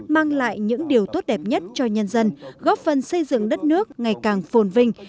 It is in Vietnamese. mang lại những điều tốt đẹp nhất cho nhân dân góp phần xây dựng đất nước ngày càng phồn vinh